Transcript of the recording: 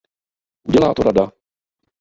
Udělá to Rada?